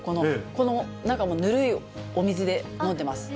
この中、ぬるいお水で飲んでます。